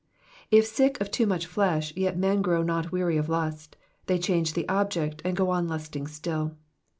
If sick of too much flesh, yet men grow not weary of lust, they change the object, and go on lusting still.